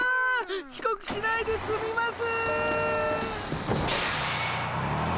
ちこくしないですみます！